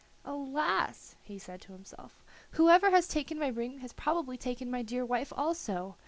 "Alas!" he said to himself, "whoever has taken my ring has probably taken my dear wife also.